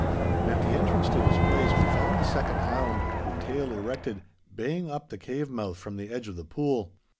And at the entrance to this place we found the second hound, with tail erected, baying up the cave mouth from the edge of the pool.